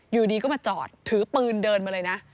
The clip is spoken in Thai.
อยู่ดีก็มาจอดถือปืนเดินมาเลยนะ